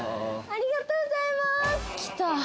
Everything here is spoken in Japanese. ありがとうございます来た